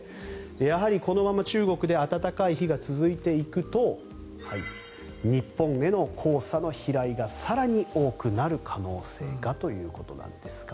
やはり、このまま中国で暖かい日が続いていくと日本への黄砂の飛来が更に多くなる可能性がということなんですが。